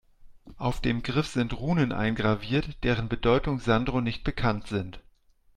Auf dem Griff sind Runen eingraviert, deren Bedeutung Sandro nicht bekannt sind.